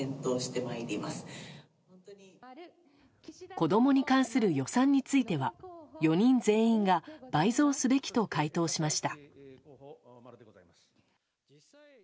子供に関する予算については４人全員が倍増すべきと回答しました。